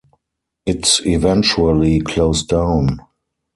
It eventually closed down.